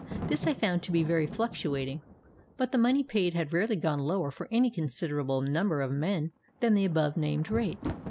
This I found to be very fluctuating, but the money paid had rarely gone lower for any considerable number of men than the above named rate.